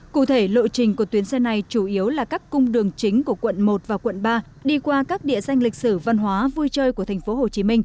cụ thể lộ trình của tuyến xe này chủ yếu là các cung đường chính của quận một và quận ba đi qua các địa danh lịch sử văn hóa vui chơi của tp hcm